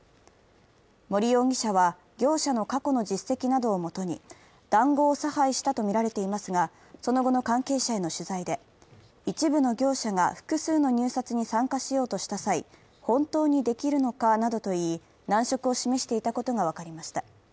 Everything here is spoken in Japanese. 森容疑者は、業者の過去の実績などをもとに談合を差配したとみられていますが、その後の関係者への取材で、一部の業者が複数の入札に参加しようとした際、本当にできるのかなどと言い、難色を示していたことが分かりました。